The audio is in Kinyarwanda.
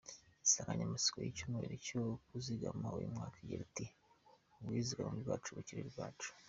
Insanganyamatsiko y’icyumweru cyo kuzigama uyu mwaka igira iti “Ubwizigame bwacu, ubukire bwacu.